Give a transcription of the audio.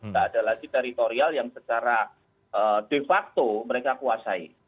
tidak ada lagi teritorial yang secara de facto mereka kuasai